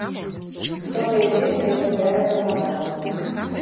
Паглядзець, як гуляе грамада.